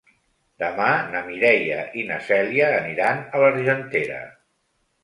Demà na Mireia i na Cèlia aniran a l'Argentera.